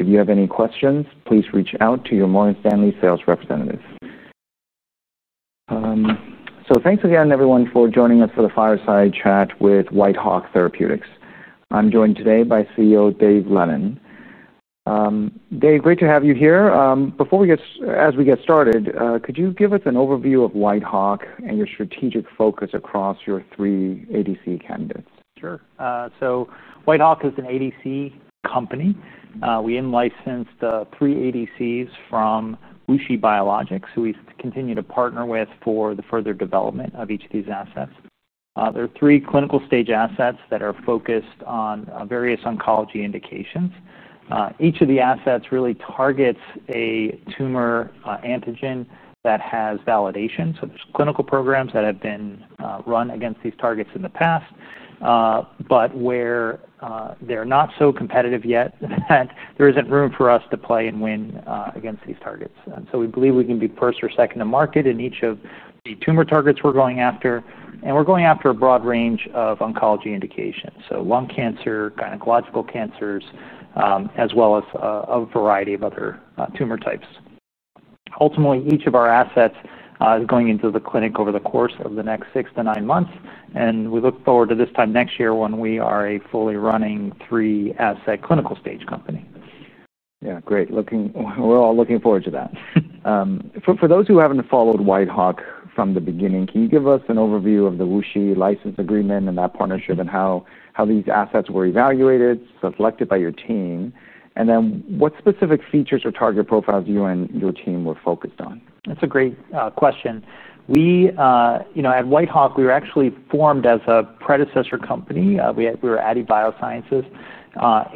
If you have any questions, please reach out to your Morgan Stanley sales representative. Thanks again, everyone, for joining us for the fireside chat with Whitehawk Therapeutics. I'm joined today by CEO Dave Lennon. Dave, great to have you here. As we get started, could you give us an overview of Whitehawk and your strategic focus across your three ADC candidates? Sure. Whitehawk Therapeutics is an ADC company. We license the three ADCs from WuXi Biologics, who we continue to partner with for the further development of each of these assets. There are three clinical stage assets that are focused on various oncology indications. Each of the assets really targets a tumor antigen that has validation. There are clinical programs that have been run against these targets in the past, but where they're not so competitive yet that there isn't room for us to play and win against these targets. We believe we can be first or second to market in each of the tumor targets we're going after. We're going after a broad range of oncology indications, including lung cancer, gynecological cancers, as well as a variety of other tumor types. Ultimately, each of our assets is going into the clinic over the course of the next six to nine months. We look forward to this time next year when we are a fully running three-asset clinical stage company. Yeah, great. Looking, we're all looking forward to that. For those who haven't followed Whitehawk from the beginning, can you give us an overview of the WuXi Biologics license agreement and that partnership and how these assets were evaluated, selected by your team? What specific features or target profiles you and your team were focused on? That's a great question. At Whitehawk, we were actually formed as a predecessor company. We were Addy Biosciences,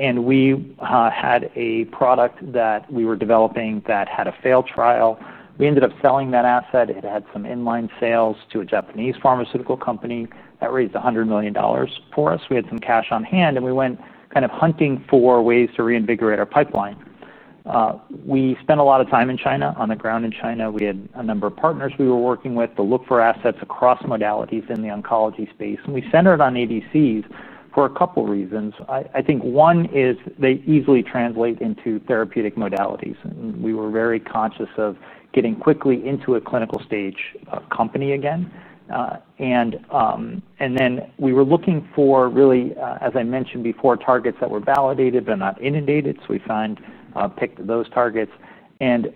and we had a product that we were developing that had a failed trial. We ended up selling that asset. It had some inline sales to a Japanese pharmaceutical company that raised $100 million for us. We had some cash on hand, and we went kind of hunting for ways to reinvigorate our pipeline. We spent a lot of time in China, on the ground in China. We had a number of partners we were working with to look for assets across modalities in the oncology space. We centered on ADCs for a couple of reasons. I think one is they easily translate into therapeutic modalities. We were very conscious of getting quickly into a clinical stage company again. We were looking for really, as I mentioned before, targets that were validated but not inundated. We found, picked those targets.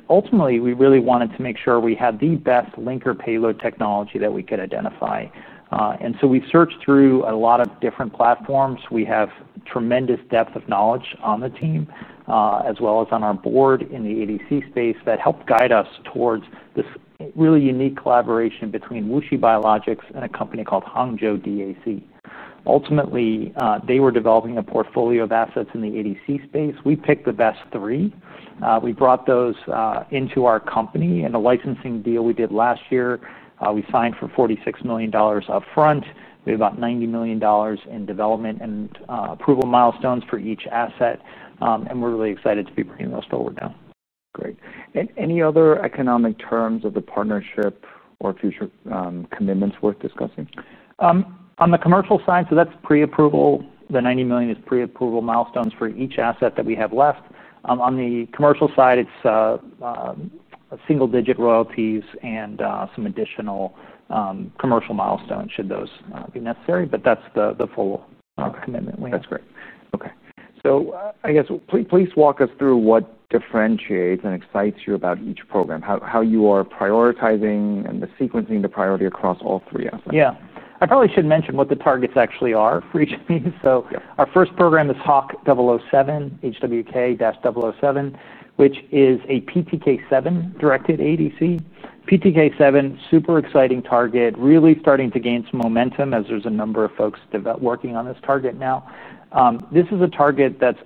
Ultimately, we really wanted to make sure we had the best linker payload technology that we could identify. We searched through a lot of different platforms. We have tremendous depth of knowledge on the team, as well as on our board in the ADC space that helped guide us towards this really unique collaboration between WuXi Biologics and a company called Hangzhou DAC. Ultimately, they were developing a portfolio of assets in the ADC space. We picked the best three. We brought those into our company, and the licensing deal we did last year, we signed for $46 million upfront. We have about $90 million in development and approval milestones for each asset. We're really excited to be putting those forward now. Great. Are there any other economic terms of the partnership or future commitments worth discussing? On the commercial side, that's pre-approval. The $90 million is pre-approval milestones for each asset that we have left. On the commercial side, it's single-digit royalties and some additional commercial milestones should those be necessary. That's the full commitment we have. That's great. OK. Please walk us through what differentiates and excites you about each program, how you are prioritizing and sequencing the priority across all three of them. Yeah. I probably should mention what the targets actually are for each of these. Our first program is HWK-007, which is a PTK7 directed ADC. PTK7, super exciting target, really starting to gain some momentum as there's a number of folks working on this target now. This is a target that's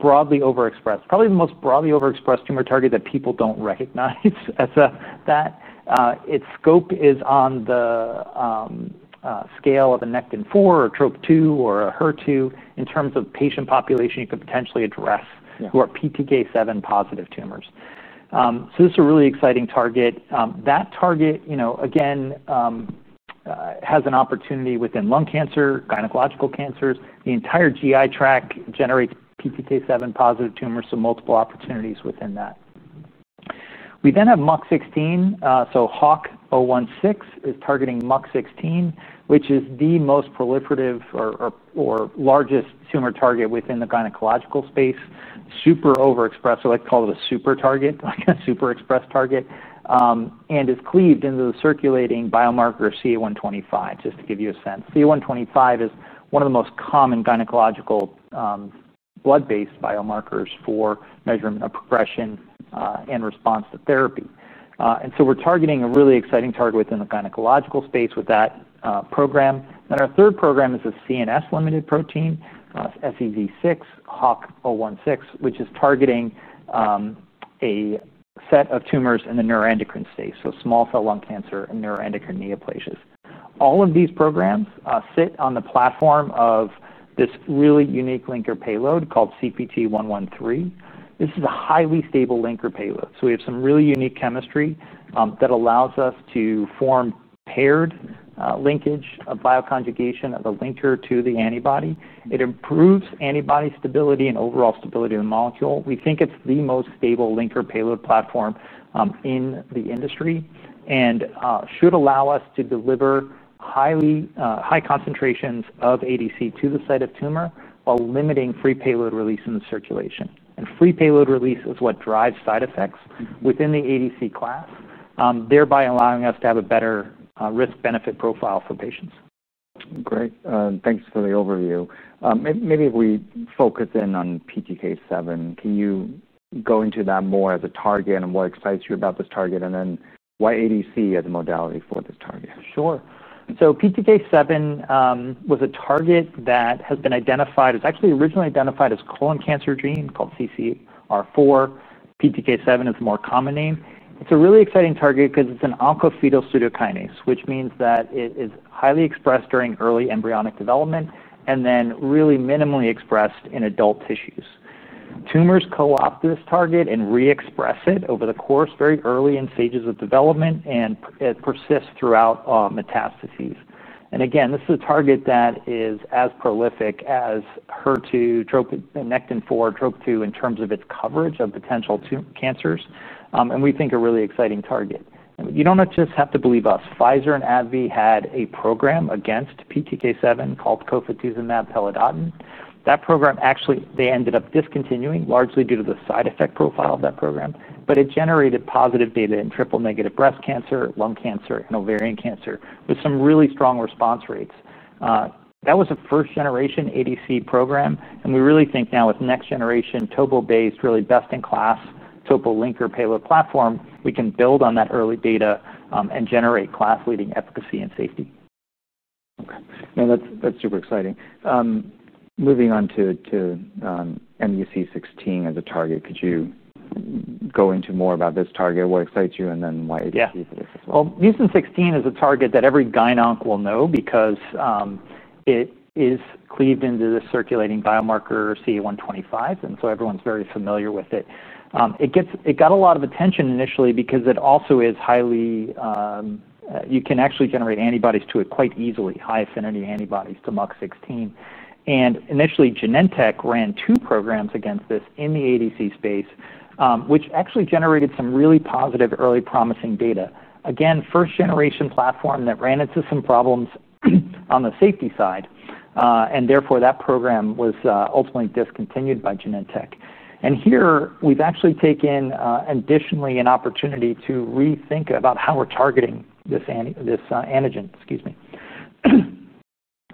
broadly overexpressed, probably the most broadly overexpressed tumor target that people don't recognize as that. Its scope is on the scale of a Nectin-4 or Trop-2 or a HER2 in terms of patient population you could potentially address who are PTK7 positive tumors. This is a really exciting target. That target, you know, again, has an opportunity within lung cancer, gynecological cancers. The entire GI tract generates PTK7 positive tumors, multiple opportunities within that. We then have MUC16. HWK-016 is targeting MUC16, which is the most proliferative or largest tumor target within the gynecological space, super overexpressed. I like to call it a super target, like a super expressed target. It's cleaved into the circulating biomarker CA125, just to give you a sense. CA125 is one of the most common gynecological blood-based biomarkers for measurement of progression and response to therapy. We're targeting a really exciting target within the gynecological space with that program. Our third program is a CNS-limited protein, SEZ6. HWK-206 is targeting a set of tumors in the neuroendocrine space, small cell lung cancer and neuroendocrine neoplasms. All of these programs sit on the platform of this really unique linker payload called CPT113. This is a highly stable linker payload. We have some really unique chemistry that allows us to form paired linkage of bioconjugation of the linker to the antibody. It improves antibody stability and overall stability of the molecule. We think it's the most stable linker payload platform in the industry and should allow us to deliver high concentrations of ADC to the site of tumor while limiting free payload release in the circulation. Free payload release is what drives side effects within the ADC class, thereby allowing us to have a better risk-benefit profile for patients. Great. Thanks for the overview. Maybe if we focus in on PTK7, can you go into that more as a target and what excites you about this target, and then why ADC as a modality for this target? Sure. PTK7 was a target that has been identified, was actually originally identified as a colon cancer gene called CCR4. PTK7 is the more common name. It's a really exciting target because it's an oncoprotein tyrosine kinase, which means that it is highly expressed during early embryonic development and then really minimally expressed in adult tissues. Tumors co-opt this target and re-express it over the course very early in stages of development and persist throughout metastases. This is a target that is as prolific as HER2, Nectin-4, TROP2 in terms of its coverage of potential cancers. We think a really exciting target. You don't just have to believe us. Pfizer and AbbVie had a program against PTK7 called cofetuzumab pelidotin. That program actually, they ended up discontinuing largely due to the side effect profile of that program. It generated positive data in triple-negative breast cancer, lung cancer, and ovarian cancer with some really strong response rates. That was a first-generation ADC program. We really think now with next-generation TOPO-based, really best-in-class TOPO linker-payload platform, we can build on that early data and generate class-leading efficacy and safety. OK. That's super exciting. Moving on to MUC16 as a target, could you go into more about this target, what excites you, and then why ADC? Yeah. MUC16 is a target that every gynecologist will know because it is cleaved into the circulating biomarker CA125. Everyone's very familiar with it. It got a lot of attention initially because you can actually generate antibodies to it quite easily, high affinity antibodies to MUC16. Initially, Genentech ran two programs against this in the ADC space, which actually generated some really positive, early promising data. First-generation platform that ran into some problems on the safety side. Therefore, that program was ultimately discontinued by Genentech. Here, we've actually taken additionally an opportunity to rethink about how we're targeting this antigen.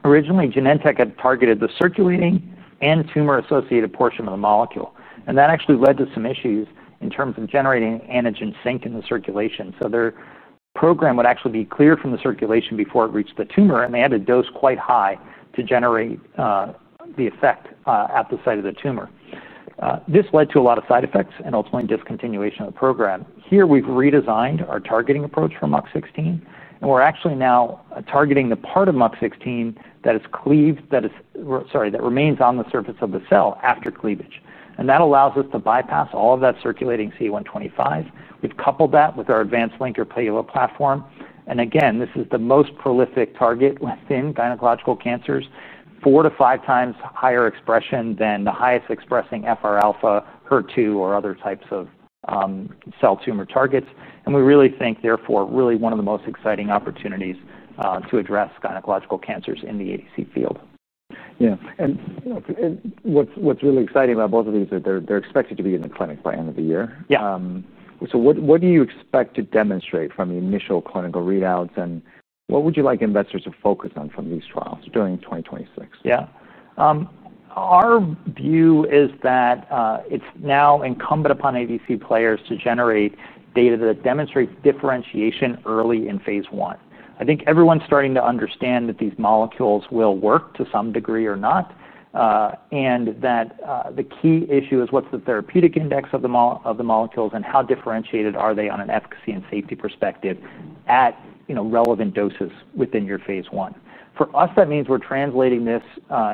Originally, Genentech had targeted the circulating and tumor-associated portion of the molecule. That actually led to some issues in terms of generating antigen sink in the circulation. Their program would actually be cleared from the circulation before it reached the tumor, and they had to dose quite high to generate the effect at the site of the tumor. This led to a lot of side effects and ultimately discontinuation of the program. Here, we've redesigned our targeting approach for MUC16, and we're actually now targeting the part of MUC16 that remains on the surface of the cell after cleavage. That allows us to bypass all of that circulating CA125. We've coupled that with our advanced linker-payload platform. This is the most prolific target within gynecological cancers, four to five times higher expression than the highest expressing FR-alpha, HER2, or other types of cell tumor targets. We really think, therefore, really one of the most exciting opportunities to address gynecological cancers in the ADC field. Yeah, you know, what's really exciting about both of these is they're expected to be in the clinic by the end of the year. Yeah. What do you expect to demonstrate from the initial clinical readouts? What would you like investors to focus on from these trials during 2026? Yeah. Our view is that it's now incumbent upon ADC players to generate data that demonstrates differentiation early in phase one. I think everyone's starting to understand that these molecules will work to some degree or not, and that the key issue is what's the therapeutic index of the molecules and how differentiated are they on an efficacy and safety perspective at relevant doses within your phase one. For us, that means we're translating this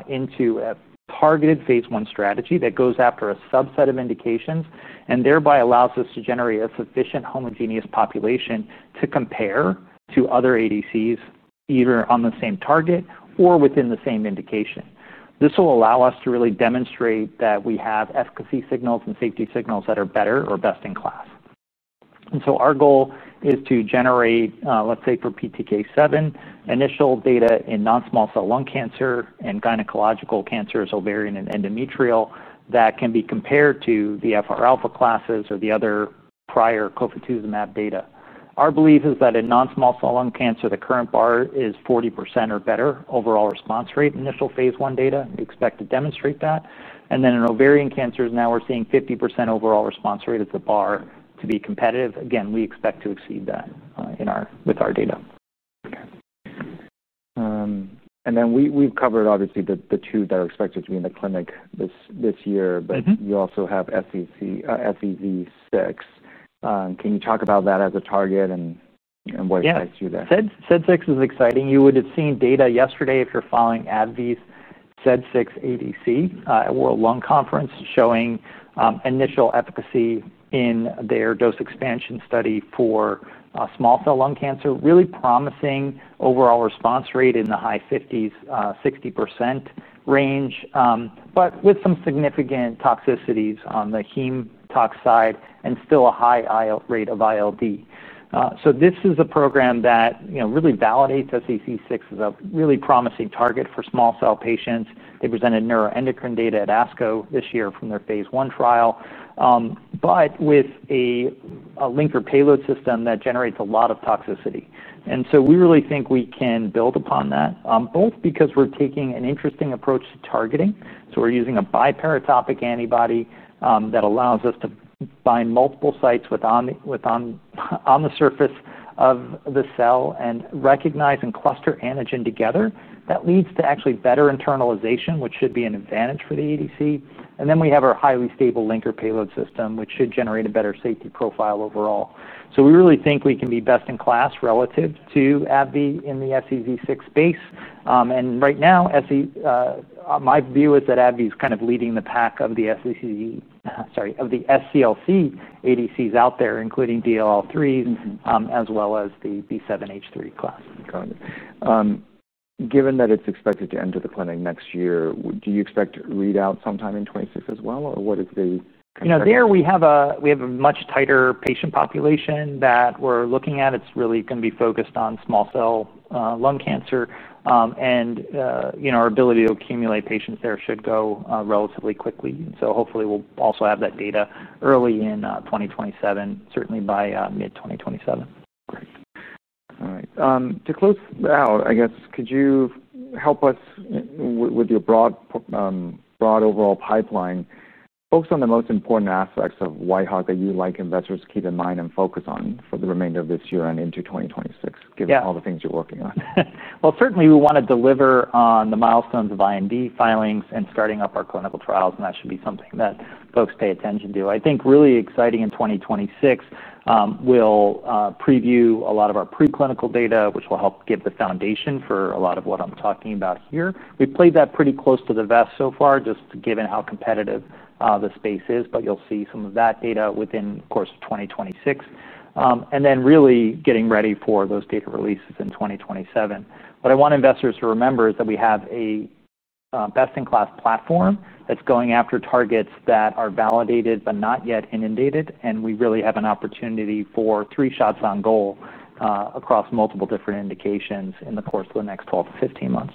into a targeted phase one strategy that goes after a subset of indications and thereby allows us to generate a sufficient homogeneous population to compare to other ADCs, either on the same target or within the same indication. This will allow us to really demonstrate that we have efficacy signals and safety signals that are better or best in class. Our goal is to generate, let's say, for PTK7, initial data in non-small cell lung cancer and gynecological cancers, ovarian and endometrial, that can be compared to the FR-alpha classes or the other prior cofetuzumab data. Our belief is that in non-small cell lung cancer, the current bar is 40% or better overall response rate in initial phase one data. We expect to demonstrate that. In ovarian cancers, now we're seeing 50% overall response rate as the bar to be competitive. We expect to exceed that with our data. We've covered, obviously, the two that are expected to be in the clinic this year. You also have SEZ6. Can you talk about that as a target and what excites you there? Yeah. SEZ6 is exciting. You would have seen data yesterday if you're following AbbVie's SEZ6 ADC at World Lung Conference showing initial efficacy in their dose expansion study for small cell lung cancer, really promising overall response rate in the high 50%, 60% range, but with some significant toxicities on the hem tox side and still a high rate of ILD. This is a program that really validates SEZ6 as a really promising target for small cell patients. They presented neuroendocrine data at ASCO this year from their phase one trial, but with a linker payload system that generates a lot of toxicity. We really think we can build upon that, both because we're taking an interesting approach to targeting. We're using a biparatopic antibody that allows us to bind multiple sites on the surface of the cell and recognize and cluster antigen together. That leads to actually better internalization, which should be an advantage for the ADC. We have our highly stable linker payload system, which should generate a better safety profile overall. We really think we can be best in class relative to AbbVie in the SEZ6 space. Right now, my view is that AbbVie is kind of leading the pack of the SCLC ADCs out there, including DLL3s, as well as the B7H3 class. Got it. Given that it's expected to enter the clinic next year, do you expect readouts sometime in 2026 as well? What is the? There we have a much tighter patient population that we're looking at. It's really going to be focused on small cell lung cancer, and our ability to accumulate patients there should go relatively quickly. Hopefully, we'll also have that data early in 2027, certainly by mid-2027. All right. To close out, I guess, could you help us with your broad overall pipeline? Focus on the most important aspects of Whitehawk Therapeutics that you'd like investors to keep in mind and focus on for the remainder of this year and into 2026, given all the things you're working on. Certainly, we want to deliver on the milestones of IND filings and starting up our clinical trials. That should be something that folks pay attention to. I think really exciting in 2026, we'll preview a lot of our preclinical data, which will help give the foundation for a lot of what I'm talking about here. We've played that pretty close to the vest so far, just given how competitive the space is. You'll see some of that data within, of course, 2026. Really getting ready for those data releases in 2027. What I want investors to remember is that we have a best-in-class platform that's going after targets that are validated but not yet inundated. We really have an opportunity for three shots on goal across multiple different indications in the course of the next 12 to 15 months.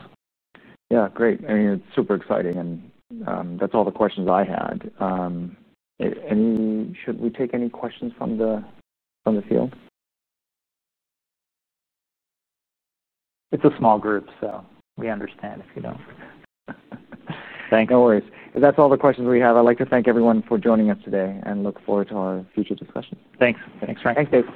Yeah, great. I mean, it's super exciting. That's all the questions I had. Should we take any questions from the field? It's a small group, so we understand if you don't. Thanks. No worries. That's all the questions we have. I'd like to thank everyone for joining us today and look forward to our future discussion. Thanks, Frank. Thanks, Dave.